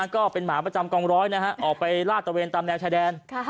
ก็เป็นหมาประจำกองร้อยออกไปลาดตะเวนตามแนวชายแดน